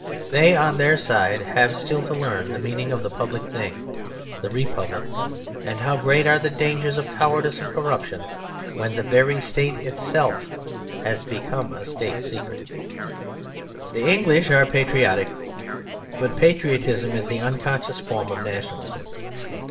They on their side have still to learn the meaning of the public thing, the republic; and how great are the dangers of cowardice and corruption when the very State itself has become a State secret. The English are patriotic; but patriotism is the unconscious form of nationalism.